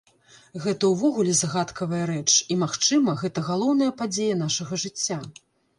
Гэта ўвогуле загадкавая рэч, і, магчыма, гэта галоўная падзея нашага жыцця.